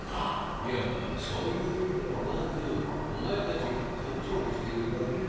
いやそういう意味ではなくオマエたちがかんちがいしているだけだ。